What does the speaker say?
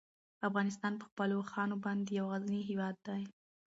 افغانستان په خپلو اوښانو باندې یو غني هېواد دی.